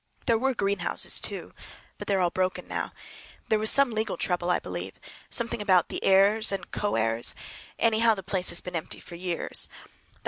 There were greenhouses, too, but they are all broken now. There was some legal trouble, I believe, something about the heirs and co heirs; anyhow, the place has been empty for years.